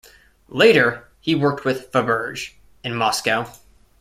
Later he worked with Faberge in Moscow.